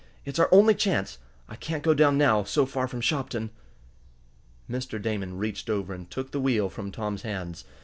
It's our only chance! I can't go down now, so far from Shopton!" Mr. Damon reached over and took the wheel from Tom's hands.